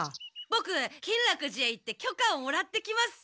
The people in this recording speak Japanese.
ボク金楽寺へ行ってきょかをもらってきます。